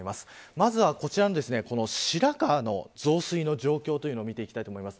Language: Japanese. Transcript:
まずはこちらの、白川の増水の状況を見ていきたいと思います。